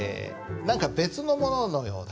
何か別のもののような。